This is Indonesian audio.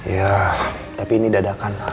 ya tapi ini dadakan haris juga gak